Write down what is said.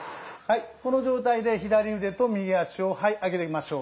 この状態で左腕と右脚を上げていきましょう。